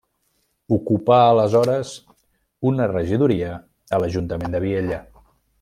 Ocupà aleshores una regidoria a l'ajuntament de Vielha.